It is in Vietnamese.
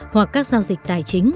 hoặc các giao dịch tài chính